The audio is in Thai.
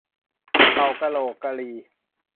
เก่ากะโหลกกะลี